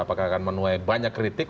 apakah akan menuai banyak kritik